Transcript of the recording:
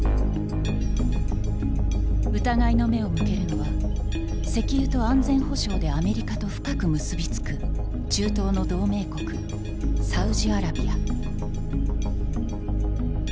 疑いの目を向けるのは石油と安全保障でアメリカと深く結びつく中東の同盟国サウジアラビア。